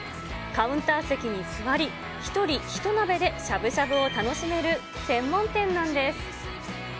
カウンター席に座り、一人一鍋でしゃぶしゃぶを楽しめる専門店なんです。